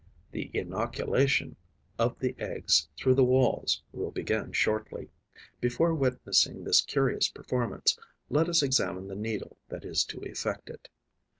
The inoculation of the eggs through the walls will begin shortly. Before witnessing this curious performance, let us examine the needle that is to effect it.